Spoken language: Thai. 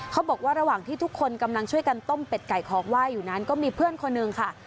เขาบอกว่าระหว่างที่ทุกคนกำลังช่วยกันต้มเป็ดไก่ของไหว้อยู่นั้นก็มีเพื่อนคนหนึ่งค่ะ